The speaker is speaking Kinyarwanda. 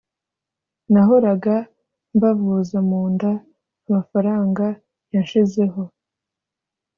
nahoraga mbavuza mu nda amafaranga yanshizeho